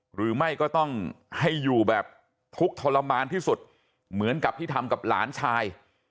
หรือไม่ก็ต้องให้อยู่แบบทุกข์ทรมานที่สุดเหมือนกับที่ทำกับหลานชาย